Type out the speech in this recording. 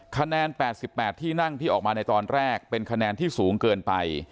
คะแนน๘๘ที่นั่งที่ออกมาในตอนแรกเป็นคะแนนที่สูงเกินไป